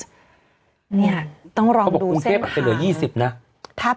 นี่ต้องลองดูเส้นฐานเขาบอกว่ากรุงเทพฯอาจจะเหลือ๒๐นะ